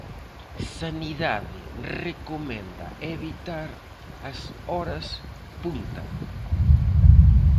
Sanidade recomenda evitar as 'horas punta'.